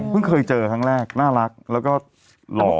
เพิ่งเคยเจอครั้งแรกน่ารักและว่าหล่อ